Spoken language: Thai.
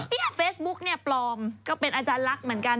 เนี่ยเฟซบุ๊กเนี่ยปลอมก็เป็นอาจารย์ลักษณ์เหมือนกัน